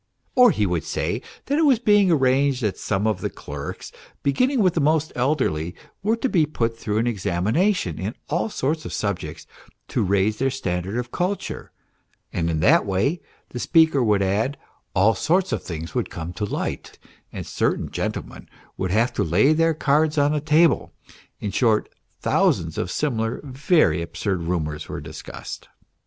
Or he would say that it was being arranged that some of the clerks, beginning with the most elderly, were to be put through an ex amination in all sorts of subjects to raise their standard of culture, and in that way, the speaker would add, all sorts of things would come to light, and certain gentlemen would have to lay their cards on the table in short, thousands of similar very absurd rumours were discussed.